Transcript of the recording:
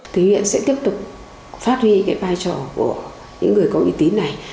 thứ huyện sẽ tiếp tục phát huy cái vai trò của những người có uy tín này